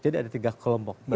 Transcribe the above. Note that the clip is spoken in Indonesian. jadi ada tiga kelompok